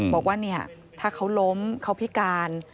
บอกว่าเนี่ยถ้าเขาล้มเขาพิการ